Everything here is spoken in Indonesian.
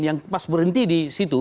yang pas berhenti di situ